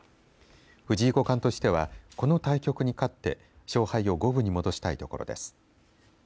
藤井五冠としてはこの対局に勝って勝敗を五分に戻したいところです。